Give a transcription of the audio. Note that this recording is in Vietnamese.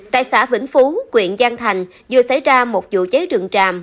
tại xã vĩnh phú quyện giang thành vừa xảy ra một vụ cháy rừng tràm